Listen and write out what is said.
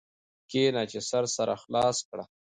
کښېنه چي سر سره خلاص کړ.